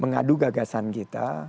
mengadu gagasan kita